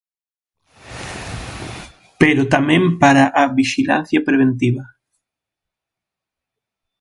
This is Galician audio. Pero tamén para a vixilancia preventiva.